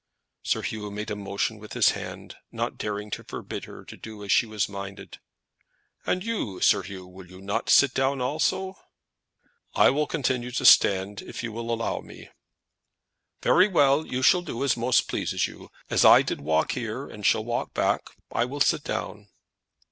Sir Hugh made a motion with his hand, not daring to forbid her to do as she was minded. "And you, Sir 'Oo; will not you sit down also?" "I will continue to stand if you will allow me." "Very well; you shall do as most pleases you. As I did walk here, and shall walk back, I will sit down."